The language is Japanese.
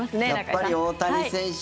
やっぱり大谷選手